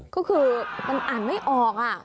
ก็คือมันอ่านไม่ออก